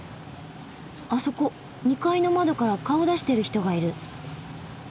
あそこ２階の窓から顔出してる人がいる。